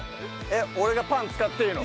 俺がパン使っていいの？